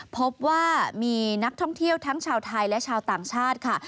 พบว่ามีนักท่องเที่ยวทั้งชาวไทยและชาวต่างชาติค่ะ